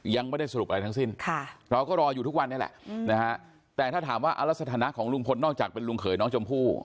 ยังไม่ได้สรุปอะไรทั้งสิ้นเราก็รออยู่ทุกวันนี้แหละนะฮะแต่ถ้าถามว่ารักสถานะของลุงพลนอกจากเป็นลุงเขยน้องชมพู่